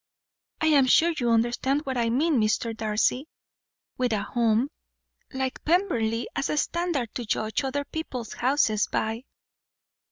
I am sure you understand what I mean, Mr. Darcy, with a home like Pemberley as a standard to judge other people's houses by."